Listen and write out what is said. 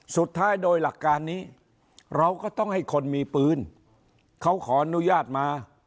สุดท้ายโดยหลักการนี้เราก็ต้องให้คนมีปืนเขาขออนุญาตมา